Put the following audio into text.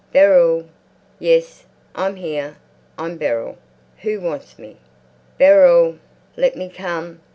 "Beryl!" "Yes, I'm here. I'm Beryl. Who wants me?" "Beryl!" "Let me come."